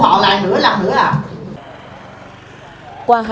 lại rung họ lại lửa lặp lửa lặp